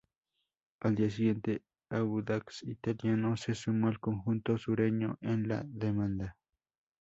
Al día siguiente, Audax Italiano se sumó al conjunto sureño en la demanda.